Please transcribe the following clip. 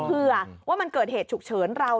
เผื่อว่ามันเกิดเหตุฉุกเฉินเรา